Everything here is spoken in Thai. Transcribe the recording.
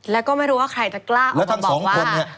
แล้วก็ไม่รู้ว่าใครจะกล้าออกมาบอกว่า